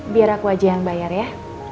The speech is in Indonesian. biar aku aja yang bayar ya